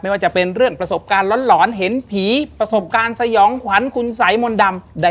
ว่าจะเป็นเรื่องประสบการณ์หลอนเห็นผีประสบการณ์สยองขวัญคุณสัยมนต์ดำ